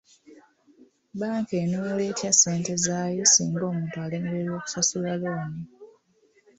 Bbanka enunula etya ssente zaayo singa omuntu alemererwa okusasula looni?